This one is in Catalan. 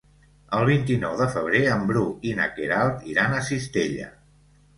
El vint-i-nou de febrer en Bru i na Queralt iran a Cistella.